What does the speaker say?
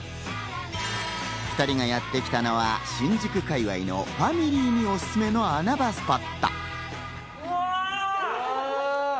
２人がやってきたのは、新宿界隈のファミリーにおすすめな穴場スポット。